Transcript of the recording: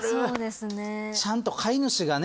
ちゃんと飼い主がね。